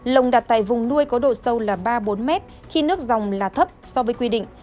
lồng đặt tại vùng nuôi có độ sâu là ba bốn mét khi nước dòng là thấp so với quy định